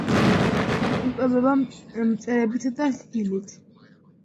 იკვებება მწერებითა და ხილით.